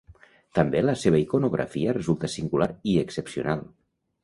També la seva iconografia resulta singular i excepcional.